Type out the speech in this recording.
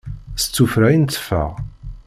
S tufra i nteffeɣ.